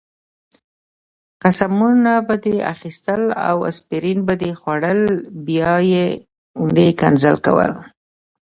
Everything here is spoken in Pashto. قسمونه به دې اخیستل او اسپرین به دې خوړل، بیا به دې ښکنځل کول.